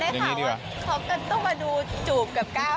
แต่เมื่อกนะครับเขาก็ต้องมาดูจูบกับก้าว